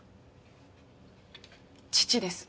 父です。